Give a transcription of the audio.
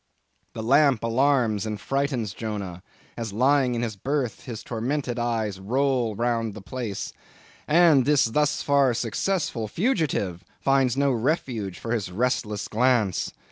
The lamp alarms and frightens Jonah; as lying in his berth his tormented eyes roll round the place, and this thus far successful fugitive finds no refuge for his restless glance.